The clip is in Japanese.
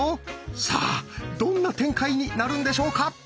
さあどんな展開になるんでしょうか？